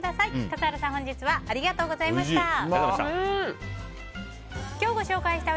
笠原さん、本日はありがとうございました。